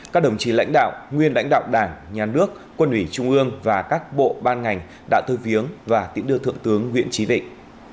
các đồng chí lãnh đạo nguyên lãnh đạo đảng nhà nước quân ủy trung ương và các bộ ban ngành đã tới viếng và tiễn đưa thượng tướng nguyễn trí vịnh